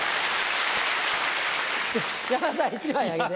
山田さん１枚あげて。